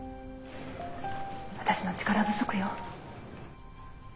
私の力不足よ。